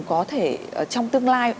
có thể trong tương lai